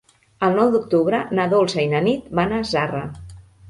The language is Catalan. El nou d'octubre na Dolça i na Nit van a Zarra.